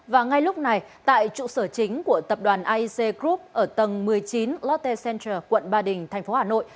và ngay lúc này tại trụ sở chính của tập đoàn iec group ở tầng một mươi chín lotte central quận ba đình tp hà nội